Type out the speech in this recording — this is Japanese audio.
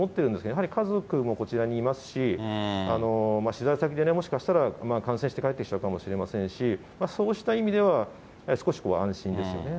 やはり、家族もこちらにいますし、取材先でもしかしたら感染して帰ってきちゃうかもしれませんし、そうした意味では、少し安心ですよね。